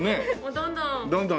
どんどんね。